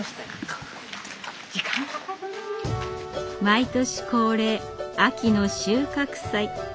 毎年恒例秋の収穫祭。